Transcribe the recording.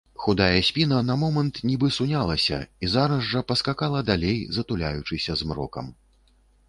Худая спіна на момант нібы сунялася і зараз жа паскакала далей, затуляючыся змрокам.